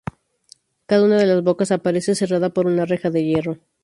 Cada una de las bocas aparece cerrada por una reja de hierro.